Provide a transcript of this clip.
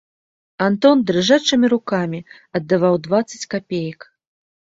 Антон дрыжачымі рукамі аддаваў дваццаць капеек.